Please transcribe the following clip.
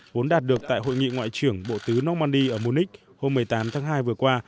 vốn đạt được tại hội nghị ngoại trưởng bộ tứ normandy ở munich hôm một mươi tám tháng hai vừa qua